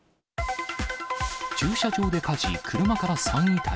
駐車場で火事、車から３遺体。